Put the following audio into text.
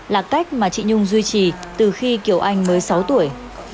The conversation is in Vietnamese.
là cách mà chị nhung duy trì từ khi kiều anh mới sáu tuổi